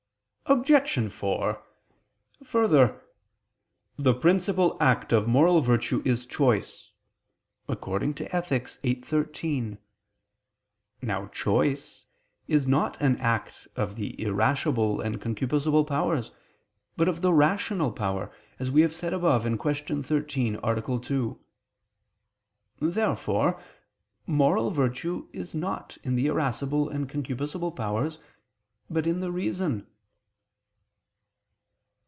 Obj. 4: Further, "the principal act of moral virtue is choice" (Ethic. viii, 13). Now choice is not an act of the irascible and concupiscible powers, but of the rational power, as we have said above (Q. 13, A. 2). Therefore moral virtue is not in the irascible and concupiscible powers, but in the reason.